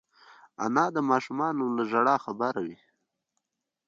انا د ماشومانو له ژړا خبروي